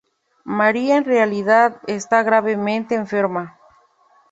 María, en realidad, está gravemente enferma.